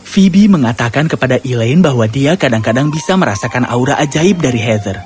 phibie mengatakan kepada elaine bahwa dia kadang kadang bisa merasakan aura ajaib dari heather